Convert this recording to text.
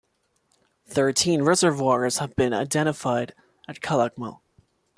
Thirteen reservoirs have been identified at Calakmul.